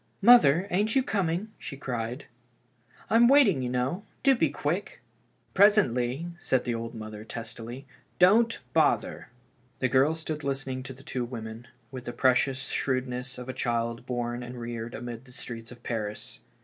" Mother, ain't you coming ?" she cried. " I'm waiting, you know ; do be quick." " Presently," said the mother, testily. " Don't bother." The girl stood listening to the two women, with the preeocious shrewdness of a child born and reared amid the streets of Paris.